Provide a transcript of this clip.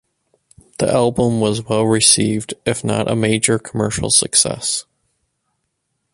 The album was well-received, if not a major commercial success.